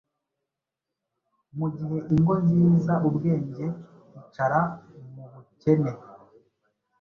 Mugihe Ingo nzizaUbwenge, icara mubukene